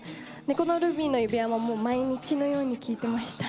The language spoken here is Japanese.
この「ルビーの指環」も毎日のように聴いていました。